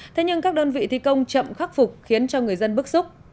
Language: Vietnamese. thế nhưng các đơn vị thi công chậm khắc phục khiến cho người dân bức xúc